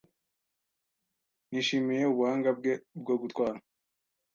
Nishimiye ubuhanga bwe bwo gutwara.